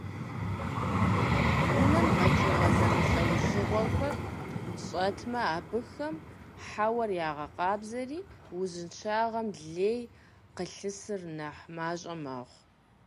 Унэм къэкӀыгъэ зэмылӀэужьыгъуэхэр щӀэтмэ, абыхэм хьэуар ягъэкъабзэри, узыншагъэм лей къылъысыр нэхъ мащӀэ мэхъу.